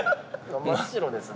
真っ白ですね。